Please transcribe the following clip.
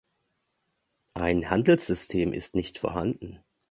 Ein Handelssystem ist nicht vorhanden.